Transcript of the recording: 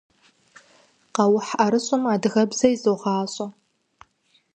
Къэухь ӏэрыщӏым адыгэбзэ изогъащӏэ.